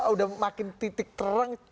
udah makin titik terang